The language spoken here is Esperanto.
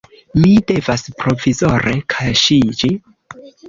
Mi devas provizore kaŝiĝi.